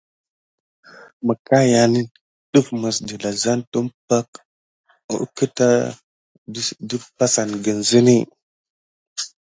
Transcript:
Məkayan yane def mis dedazan tumpay kutu suck kim kirore.